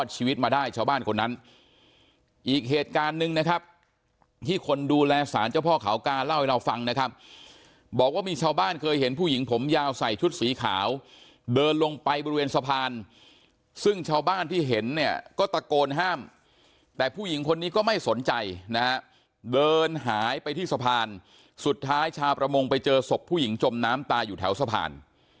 เจ้าพ่อข่าวกาเล่าให้เราฟังนะครับบอกว่ามีชาวบ้านเคยเห็นผู้หญิงผมยาวใส่ชุดสีขาวเดินลงไปบริเวณสะพานซึ่งชาวบ้านที่เห็นเนี่ยก็ตะโกนห้ามแต่ผู้หญิงคนนี้ก็ไม่สนใจนะฮะเดินหายไปที่สะพานสุดท้ายชาวประมงไปเจอศพผู้หญิงจมน้ำตาอยู่แถวสะพาน